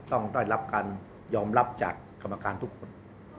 ต้องได้รับการยอมรับจากกรรมการทุกคน